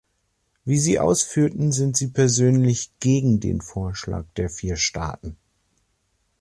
Wie Sie ausführten, sind Sie persönlich gegen den Vorschlag der vier Staaten.